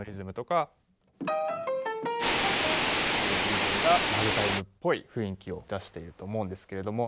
いうリズムがラグタイムっぽい雰囲気を出していると思うんですけれども。